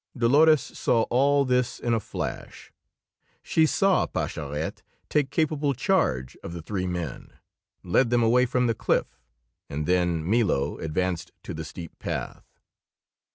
Dolores saw all this in a flash; she saw Pascherette take capable charge of the three men, led them away from the cliff, and then Milo advanced to the steep path.